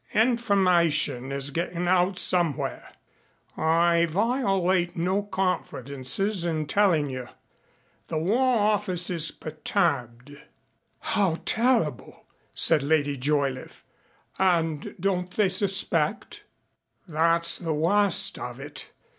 "Information is getting out somewhere. I violate no confidences in telling you. The War Office is perturbed." "How terrible!" said Lady Joyliffe. "And don't they suspect?" "That's the worst of it.